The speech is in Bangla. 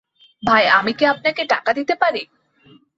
ভাই আমি কি আপনাকে টাকা দিতে পারি?